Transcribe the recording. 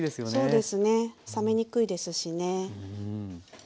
そうですね冷めにくいですしね。